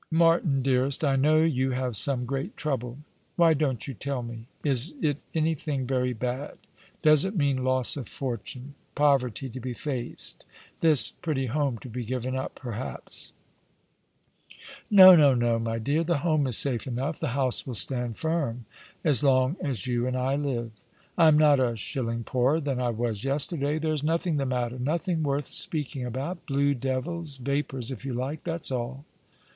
" Martin, dearest, I know you have some great trouble. Wliy don't you tell me ? Is it anything very bad ? Does it mean loss of fortune; poverty to be faced; this pretty home to be given up, perhaps ?" "No, no, no, my dear. The home is safe enough; the house will stand firm as long as you and I live. I am not a shilling poorer than I was yesterday. There is nothing the matter — nothing worth speaking about ; blue devils, vapours if you like. That's all."